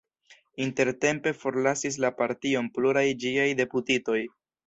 Intertempe forlasis la partion pluraj ĝiaj deputitoj.